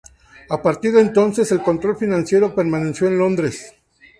A partir de entonces, el control financiero permaneció en Londres.